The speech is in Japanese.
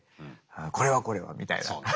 「これはこれは」みたいな。